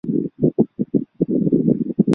粉叶蕨为裸子蕨科粉叶蕨属下的一个种。